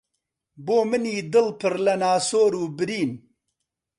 بۆ منی دڵ پڕ لە ناسۆر و برین